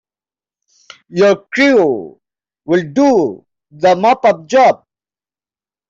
Your crew will do the mop up job.